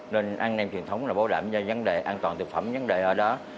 nên ăn nem truyền thống là bảo đảm cho vấn đề an toàn thực phẩm vấn đề ở đó